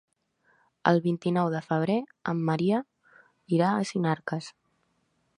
El vint-i-nou de febrer en Maria irà a Sinarques.